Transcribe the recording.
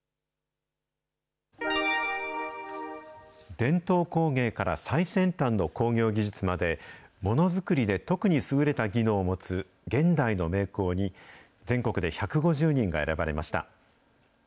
伝統工芸から最先端の工業技術まで、ものづくりで特に優れた技能を持つ現代の名工に、全国で１５０人が選ばれました。